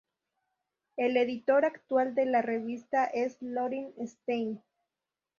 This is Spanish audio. El editor actual de la revista es Lorin Stein.